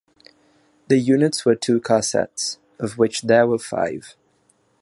The units were two-car sets, of which there were five.